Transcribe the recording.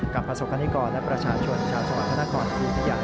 กับประสบคณิกรและประชาชนชาวสวรรค์ฮนาคมศูนย์พิยา